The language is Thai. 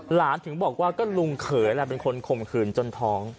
ถึงบอกว่าก็ลุงเขยแหละเป็นคนข่มขืนจนท้อง